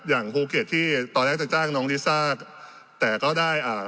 ภูเก็ตที่ตอนแรกจะจ้างน้องลิซ่าแต่ก็ได้อ่า